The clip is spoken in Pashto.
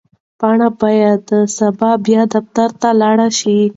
پاڼه باید سبا بیا دفتر ته لاړه شي.